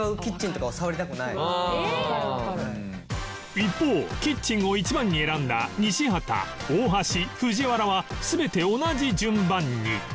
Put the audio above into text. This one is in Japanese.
一方キッチンを１番に選んだ西畑大橋藤原は全て同じ順番に